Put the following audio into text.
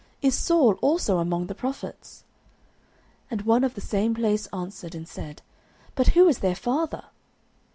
Is Saul also among the prophets? 09:010:012 And one of the same place answered and said, But who is their father?